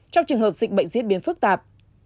trong trường hợp dịch bệnh diễn biến phức tạp